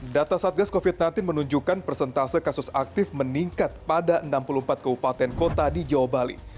data satgas covid sembilan belas menunjukkan persentase kasus aktif meningkat pada enam puluh empat keupatan kota di jawa bali